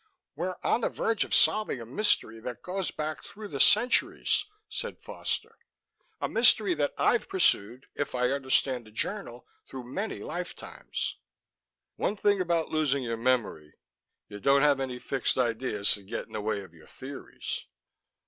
"We're on the verge of solving a mystery that goes back through the centuries," said Foster, "a mystery that I've pursued, if I understand the journal, through many lifetimes " "One thing about losing your memory: you don't have any fixed ideas to get in the way of your theories."